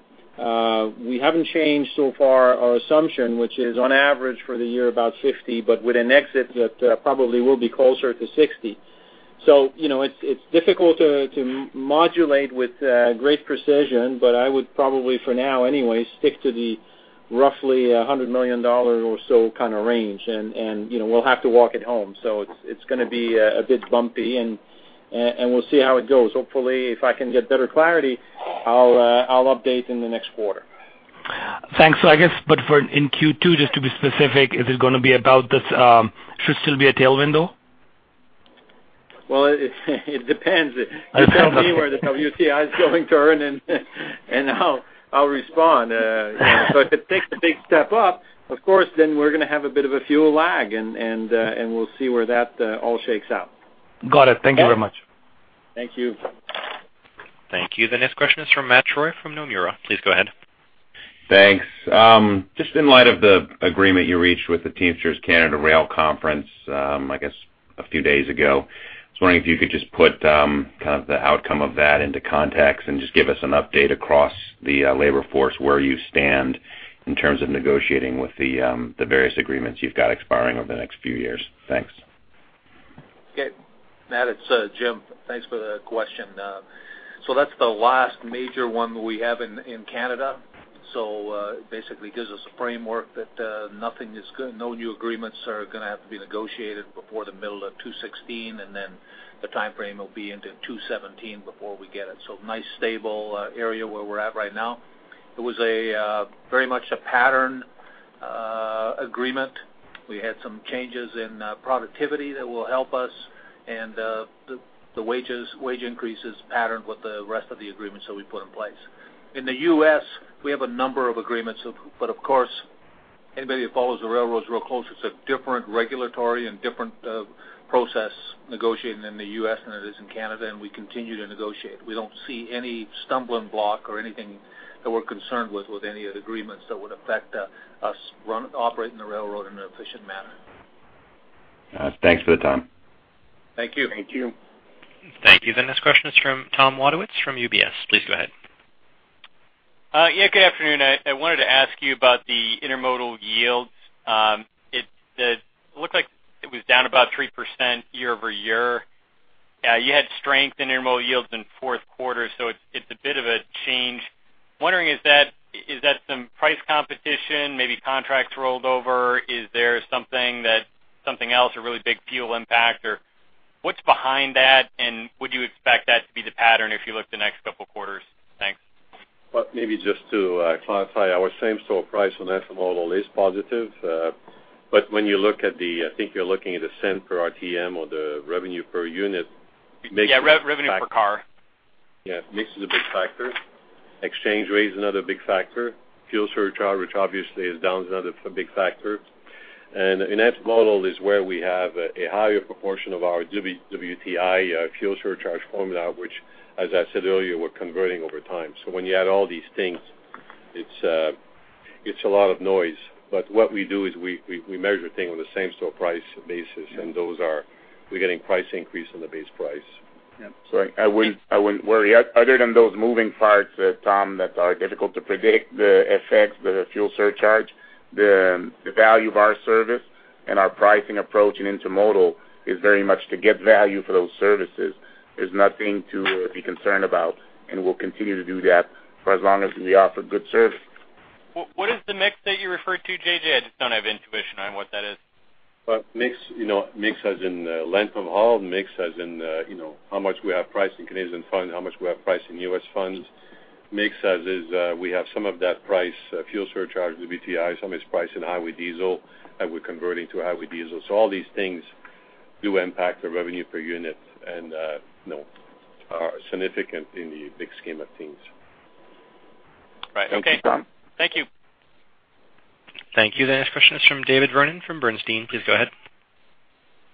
We haven't changed so far our assumption, which is on average for the year about 50, but with an exit that probably will be closer to 60. So it's difficult to modulate with great precision, but I would probably, for now anyway, stick to the roughly $100 million or so kind of range. And we'll have to walk it home. So it's going to be a bit bumpy, and we'll see how it goes. Hopefully, if I can get better clarity, I'll update in the next quarter. Thanks. But for in Q2, just to be specific, is it going to be about this? Should still be a tailwind though? Well, it depends. You tell me where the WTI is going to earn, and I'll respond. So if it takes a big step up, of course, then we're going to have a bit of a fuel lag, and we'll see where that all shakes out. Got it. Thank you very much. Thank you. Thank you. The next question is from Matt Troy from Nomura. Please go ahead. Thanks. Just in light of the agreement you reached with the Teamsters Canada Rail Conference, I guess a few days ago, I was wondering if you could just put kind of the outcome of that into context and just give us an update across the labor force where you stand in terms of negotiating with the various agreements you've got expiring over the next few years? Thanks. Okay. Matt, it's Jim. Thanks for the question. So that's the last major one we have in Canada. So it basically gives us a framework that nothing is good. No new agreements are going to have to be negotiated before the middle of 2016, and then the timeframe will be into 2017 before we get it. So nice stable area where we're at right now. It was very much a pattern agreement. We had some changes in productivity that will help us, and the wage increases patterned with the rest of the agreements that we put in place. In the U.S. we have a number of agreements, but of course, anybody that follows the railroads real close, it's a different regulatory and different process negotiating in the U.S. than it is in Canada, and we continue to negotiate. We don't see any stumbling block or anything that we're concerned with with any of the agreements that would affect us operating the railroad in an efficient manner. Thanks for the time. Thank you. Thank you. Thank you. The next question is from Tom Wadewitz from UBS. Please go ahead. Yeah. Good afternoon. I wanted to ask you about the intermodal yields. It looked like it was down about 3% year-over-year. You had strength in intermodal yields in fourth quarter, so it's a bit of a change. Wondering, is that some price competition, maybe contracts rolled over? Is there something else or really big fuel impact, or what's behind that, and would you expect that to be the pattern if you looked the next couple of quarters? Thanks. Maybe just to clarify, our same-store price on ethanol is positive. But when you look at the, I think you're looking at the cent per RTM or the revenue per unit. Yeah. Revenue per car. Yeah. Mix is a big factor. Exchange rate is another big factor. Fuel surcharge, which obviously is down, is another big factor. And in ethanol is where we have a higher proportion of our WTI fuel surcharge formula, which, as I said earlier, we're converting over time. So when you add all these things, it's a lot of noise. But what we do is we measure things on the same store price basis, and those are we're getting price increase on the base price. So I wouldn't worry. Other than those moving parts, Tom, that are difficult to predict, the effects, the fuel surcharge, the value of our service and our pricing approach in intermodal is very much to get value for those services. There's nothing to be concerned about, and we'll continue to do that for as long as we offer good service. What is the mix that you referred to, JJ? I just don't have intuition on what that is. Well, mix as in length of haul, mix as in how much we have priced in Canadian dollars, how much we have priced in U.S. dollars. Mix as in we have some of that priced fuel surcharge WTI, some is priced in highway diesel that we're converting to highway diesel. So all these things do impact the revenue per unit and are significant in the big scheme of things. Right. Okay. Thank you. Thank you. The next question is from David Vernon from Bernstein. Please go ahead.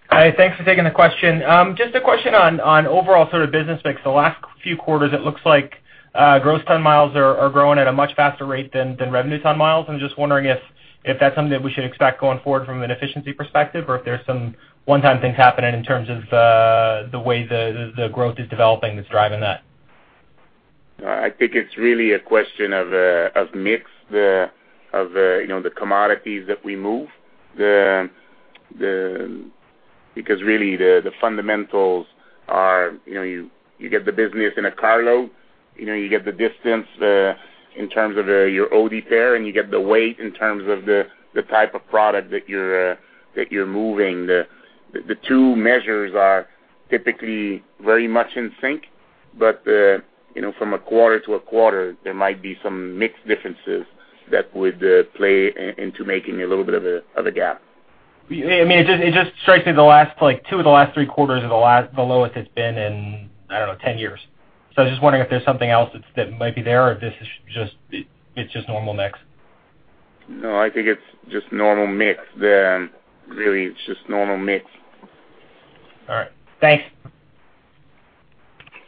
Hi. Thanks for taking the question. Just a question on overall sort of business mix. The last few quarters, it looks like gross ton miles are growing at a much faster rate than revenue ton miles. I'm just wondering if that's something that we should expect going forward from an efficiency perspective or if there's some one-time things happening in terms of the way the growth is developing that's driving that? I think it's really a question of mix of the commodities that we move. Because really, the fundamentals are you get the business in a carload, you get the distance in terms of your OD pair, and you get the weight in terms of the type of product that you're moving. The two measures are typically very much in sync, but from a quarter to a quarter, there might be some mixed differences that would play into making a little bit of a gap. I mean, it just strikes me the last two of the last three quarters are the lowest it's been in, I don't know, 10 years. So I was just wondering if there's something else that might be there or if this is just normal mix. No, I think it's just normal mix. Really, it's just normal mix. All right. Thanks.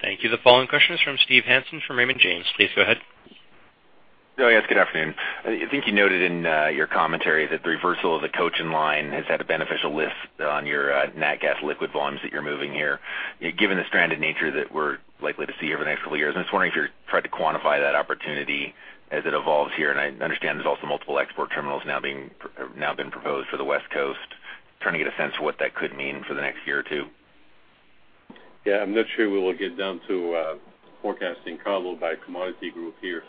Thank you. The following question is from Steve Hansen from Raymond James. Please go ahead. Oh, yes. Good afternoon. I think you noted in your commentary that the reversal of the Cochin Pipeline has had a beneficial lift on your natural gas liquid volumes that you're moving here, given the stranded nature that we're likely to see over the next couple of years. I'm just wondering if you're trying to quantify that opportunity as it evolves here. And I understand there's also multiple export terminals now being proposed for the West Coast. Trying to get a sense of what that could mean for the next year or two. Yeah. I'm not sure we will get down to forecasting carload by commodity group here.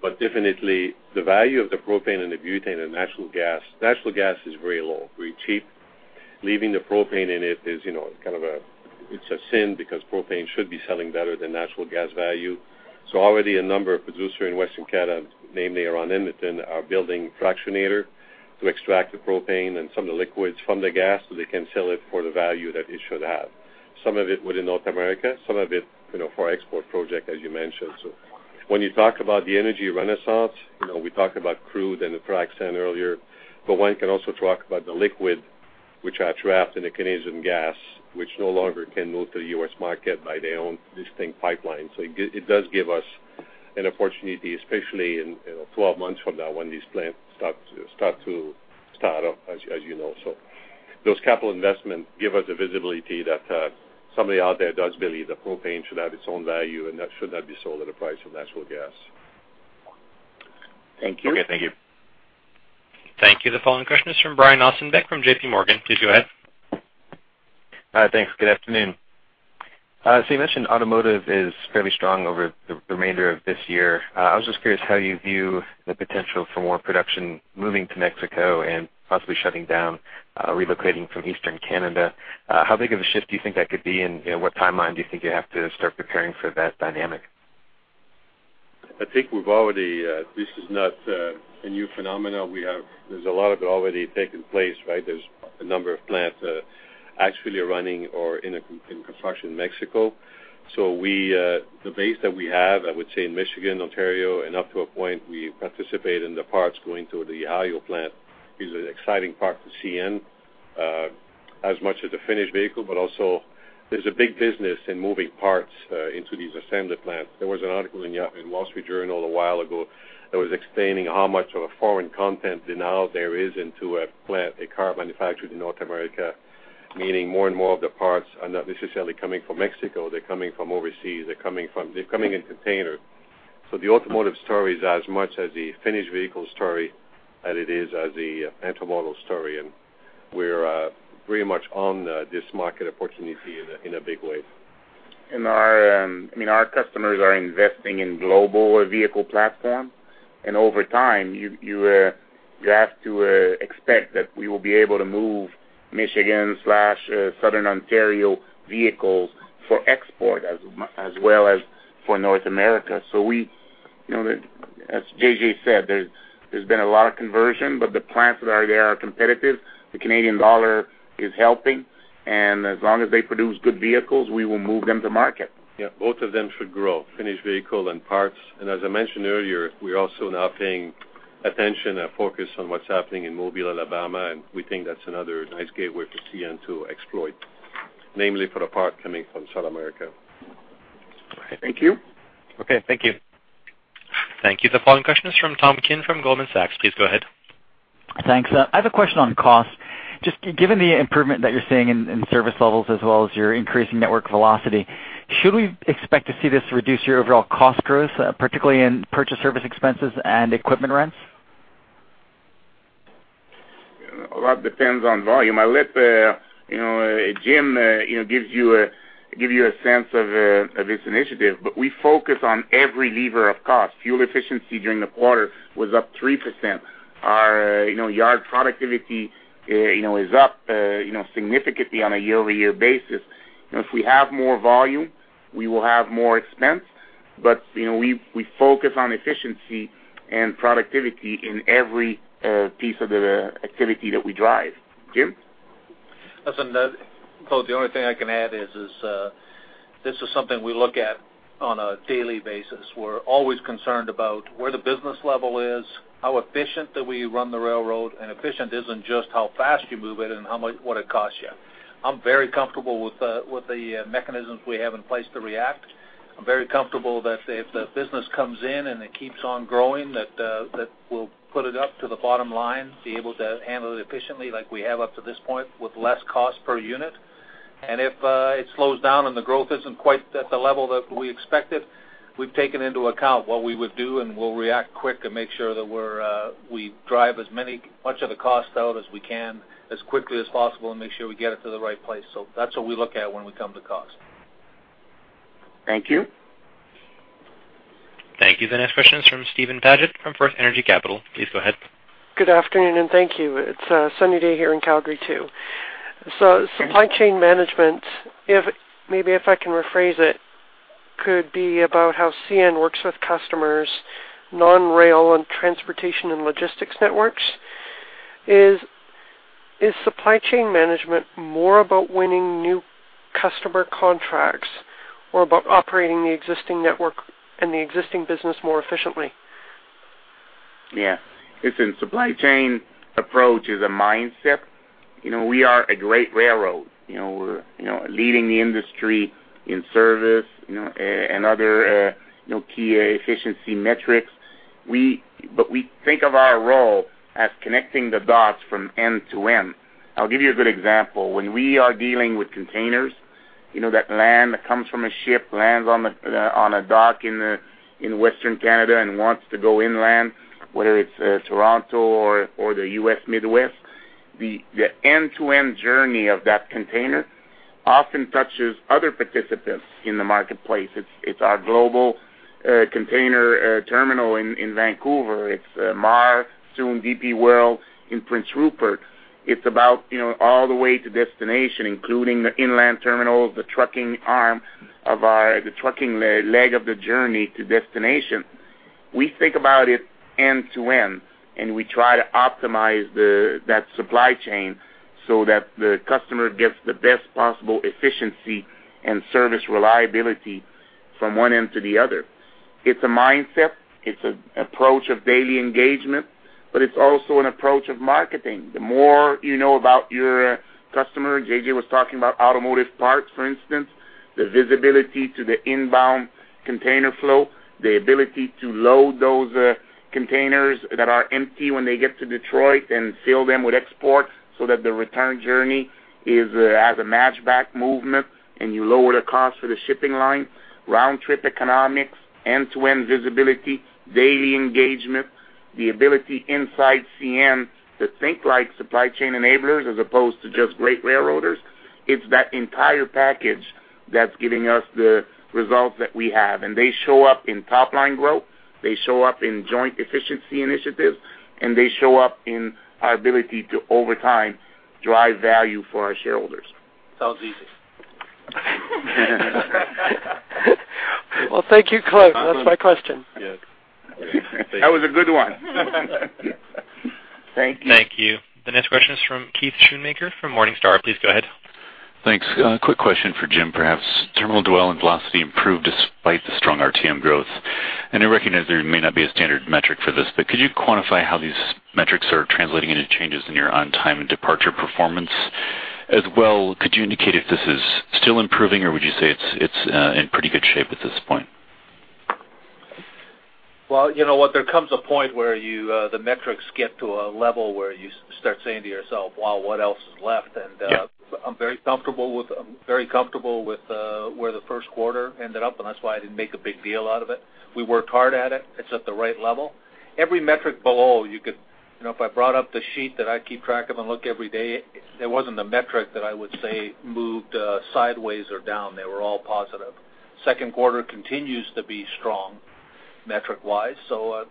But definitely, the value of the propane and the butane and natural gas, natural gas is very low, very cheap. Leaving the propane in it is kind of a sin because propane should be selling better than natural gas value. So already a number of producers in Western Canada, namely around Edmonton, are building fractionator to extract the propane and some of the liquids from the gas so they can sell it for the value that it should have. Some of it within North America, some of it for export projects, as you mentioned. So when you talk about the energy renaissance, we talked about crude and the frac sand earlier, but one can also talk about the liquid which are trapped in the Canadian gas, which no longer can move to the US market by their own distinct pipeline. So it does give us an opportunity, especially in 12 months from now when these plants start to start up, as you know. So those capital investments give us a visibility that somebody out there does believe that propane should have its own value and that should not be sold at a price of natural gas. Thank you. Okay. Thank you. Thank you. The following question is from Brian Ossenbeck from J.P. Morgan. Please go ahead. Hi. Thanks. Good afternoon. So you mentioned automotive is fairly strong over the remainder of this year. I was just curious how you view the potential for more production moving to Mexico and possibly shutting down, relocating from Eastern Canada. How big of a shift do you think that could be, and what timeline do you think you have to start preparing for that dynamic? I think we've already. This is not a new phenomenon. There's a lot of it already taking place, right? There's a number of plants actually running or in construction in Mexico. So the base that we have, I would say in Michigan, Ontario, and up to a point, we participate in the parts going to the Ohio plant. It's an exciting part to see in as much as the finished vehicle, but also there's a big business in moving parts into these assembly plants. There was an article in Wall Street Journal a while ago that was explaining how much of a foreign content denial there is into a car manufactured in North America, meaning more and more of the parts are not necessarily coming from Mexico. They're coming from overseas. They're coming in containers. So the automotive story is as much as the finished vehicle story as it is as the intermodal story. And we're very much on this market opportunity in a big way. I mean, our customers are investing in global vehicle platforms. And over time, you have to expect that we will be able to move Michigan/Southern Ontario vehicles for export as well as for North America. So as J.J. said, there's been a lot of conversion, but the plants that are there are competitive. The Canadian dollar is helping. And as long as they produce good vehicles, we will move them to market. Yeah. Both of them should grow, finished vehicle and parts. And as I mentioned earlier, we're also now paying attention and focus on what's happening in Mobile, Alabama, and we think that's another nice gateway for CN to exploit, namely for the part coming from South America. Thank you. Okay. Thank you. Thank you. The following question is from Thomas Kim from Goldman Sachs. Please go ahead. Thanks. I have a question on cost. Just given the improvement that you're seeing in service levels as well as your increasing network velocity, should we expect to see this reduce your overall cost growth, particularly in purchased service expenses and equipment rents? Well, that depends on volume. I'll let Jim give you a sense of this initiative, but we focus on every lever of cost. Fuel efficiency during the quarter was up 3%. Our yard productivity is up significantly on a year-over-year basis. If we have more volume, we will have more expense, but we focus on efficiency and productivity in every piece of the activity that we drive. Jim? Listen, Paul, the only thing I can add is this is something we look at on a daily basis. We're always concerned about where the business level is, how efficient that we run the railroad, and efficient isn't just how fast you move it and what it costs you. I'm very comfortable with the mechanisms we have in place to react. I'm very comfortable that if the business comes in and it keeps on growing, that we'll put it up to the bottom line, be able to handle it efficiently like we have up to this point with less cost per unit. If it slows down and the growth isn't quite at the level that we expected, we've taken into account what we would do and we'll react quick and make sure that we drive as much of the cost out as we can as quickly as possible and make sure we get it to the right place. That's what we look at when we come to cost. Thank you. Thank you. The next question is from Steven Paget from FirstEnergy Capital. Please go ahead. Good afternoon and thank you. It's a sunny day here in Calgary too. Supply chain management, maybe if I can rephrase it, could be about how CN works with customers, non-rail and transportation and logistics networks. Is supply chain management more about winning new customer contracts or about operating the existing network and the existing business more efficiently? Yeah. Listen, supply chain approach is a mindset. We are a great railroad. We're leading the industry in service and other key efficiency metrics. But we think of our role as connecting the dots from end to end. I'll give you a good example. When we are dealing with containers, that land that comes from a ship lands on a dock in Western Canada and wants to go inland, whether it's Toronto or the U.S. Midwest, the end-to-end journey of that container often touches other participants in the marketplace. It's our Global Container Terminal in Vancouver. It's Maher, soon DP World in Prince Rupert. It's about all the way to destination, including the inland terminals, the trucking arm of our, the trucking leg of the journey to destination. We think about it end-to-end, and we try to optimize that supply chain so that the customer gets the best possible efficiency and service reliability from one end to the other. It's a mindset. It's an approach of daily engagement, but it's also an approach of marketing. The more you know about your customer, JJ was talking about automotive parts, for instance, the visibility to the inbound container flow, the ability to load those containers that are empty when they get to Detroit and fill them with export so that the return journey is as a matchback movement and you lower the cost for the shipping line, round-trip economics, end-to-end visibility, daily engagement, the ability inside CN to think like supply chain enablers as opposed to just great railroaders. It's that entire package that's giving us the results that we have. They show up in top-line growth. They show up in joint efficiency initiatives, and they show up in our ability to, over time, drive value for our shareholders. Sounds easy. Well, thank you, Claude. That's my question. Yeah. That was a good one. Thank you. Thank you. The next question is from Keith Schoonmaker from Morningstar. Please go ahead. Thanks. Quick question for Jim, perhaps. Terminal dwell and velocity improved despite the strong RTM growth. I recognize there may not be a standard metric for this, but could you quantify how these metrics are translating into changes in your on-time and departure performance? As well, could you indicate if this is still improving, or would you say it's in pretty good shape at this point? Well, you know what? There comes a point where the metrics get to a level where you start saying to yourself, "Wow, what else is left?" And I'm very comfortable with where the first quarter ended up, and that's why I didn't make a big deal out of it. We worked hard at it. It's at the right level. Every metric below, you could if I brought up the sheet that I keep track of and look every day, there wasn't a metric that I would say moved sideways or down. They were all positive. Second quarter continues to be strong metric-wise. So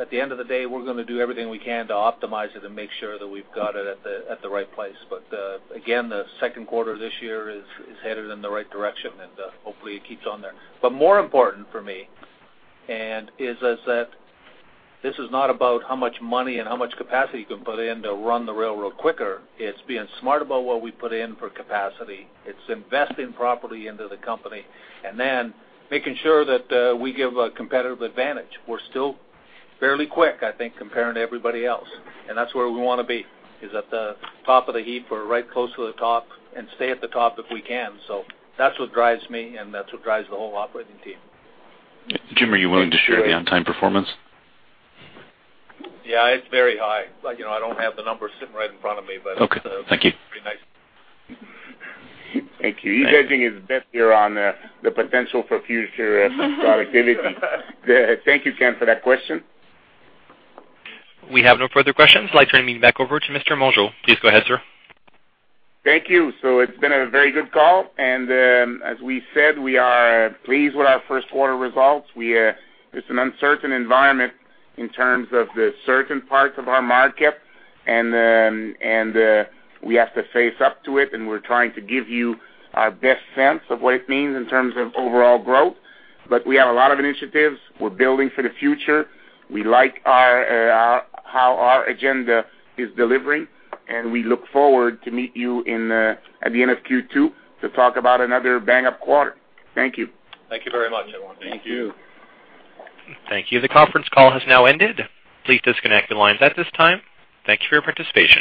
at the end of the day, we're going to do everything we can to optimize it and make sure that we've got it at the right place. But again, the second quarter this year is headed in the right direction, and hopefully, it keeps on there. But more important for me is that this is not about how much money and how much capacity you can put in to run the railroad quicker. It's being smart about what we put in for capacity. It's investing properly into the company and then making sure that we give a competitive advantage. We're still fairly quick, I think, compared to everybody else. And that's where we want to be, is at the top of the heap or right close to the top and stay at the top if we can. So that's what drives me, and that's what drives the whole operating team. Jim, are you willing to share the on-time performance? Yeah. It's very high. I don't have the numbers sitting right in front of me, but it's pretty nice. Thank you. Thank you. You're judging his best here on the potential for future productivity. Thank you, Ken, for that question. We have no further questions. I'd like to turn the meeting back over to Mr. Mongeau. Please go ahead, sir. Thank you. It's been a very good call. As we said, we are pleased with our first quarter results. It's an uncertain environment in terms of the certain parts of our market, and we have to face up to it. We're trying to give you our best sense of what it means in terms of overall growth. We have a lot of initiatives. We're building for the future. We like how our agenda is delivering, and we look forward to meeting you at the end of Q2 to talk about another bang-up quarter. Thank you. Thank you very much, everyone. Thank you. Thank you. The conference call has now ended. Please disconnect the lines at this time. Thank you for your participation.